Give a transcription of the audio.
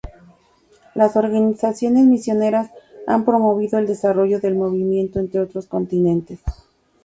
Las organizaciones misioneras han promovido el desarrollo del movimiento en otros continentes.